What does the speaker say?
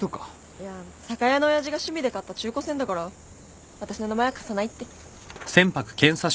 いや酒屋の親父が趣味で買った中古船だから私の名前は貸さないって。